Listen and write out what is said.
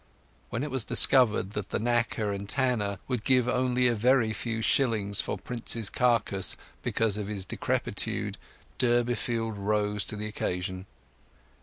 When it was discovered that the knacker and tanner would give only a very few shillings for Prince's carcase because of his decrepitude, Durbeyfield rose to the occasion.